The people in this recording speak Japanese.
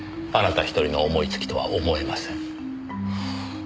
あなた１人の思いつきとは思えません。